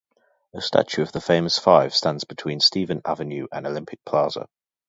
A statue of The Famous Five stands between Stephen Avenue and Olympic Plaza.